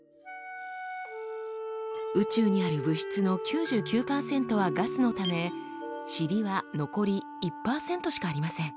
宇宙にある物質の９９％はガスのためチリは残り１％しかありません。